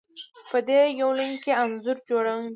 په دې يونليک کې انځور جوړونه